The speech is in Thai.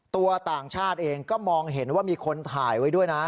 ต่างชาติเองก็มองเห็นว่ามีคนถ่ายไว้ด้วยนะ